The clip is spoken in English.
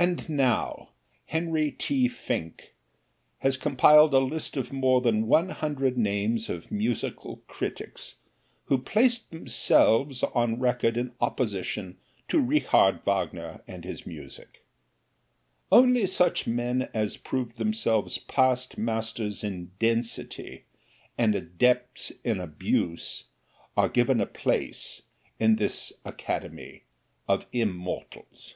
And now Henry T. Finck has compiled a list of more than one hundred names of musical critics who placed themselves on record in opposition to Richard Wagner and his music. Only such men as proved themselves past masters in density and adepts in abuse are given a place in this Academy of Immortals.